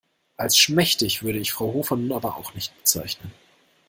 Als schmächtig würde ich Frau Hofer nun aber auch nicht bezeichnen.